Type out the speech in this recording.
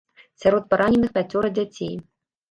Сярод параненых пяцёра дзяцей.